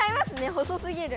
細すぎる。